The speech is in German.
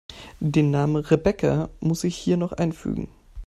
Den Namen Rebecca muss ich hier noch einfügen.